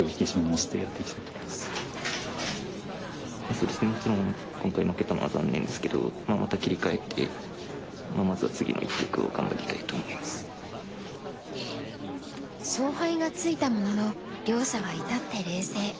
そうですねもちろん今回負けたのは残念ですけど勝敗がついたものの両者は至って冷静。